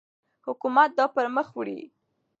حکومت دا پرمخ وړي.